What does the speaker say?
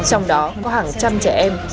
trong đó có hàng trăm trẻ em